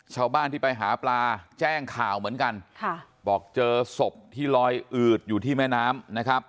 ชาวบ้านที่ไปหาปลาแจ้งข่าวเหมือนกันค่ะบอกเจอศพที่ลอยอืดอยู่ที่แม่น้ำนะครับ